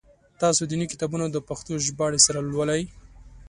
تاسو دیني کتابونه د پښتو ژباړي سره لولی؟